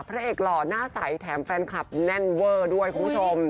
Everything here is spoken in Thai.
พระเอกหล่อหน้าใสแถมแฟนคลับแน่นเวอร์ด้วยคุณผู้ชม